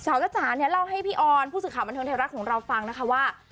จ้าจ๋าเนี่ยเล่าให้พี่ออนผู้สื่อข่าวบันเทิงไทยรัฐของเราฟังนะคะว่า